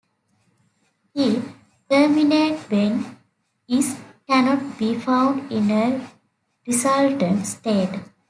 Thue terminates when lhs cannot be found in a resultant state.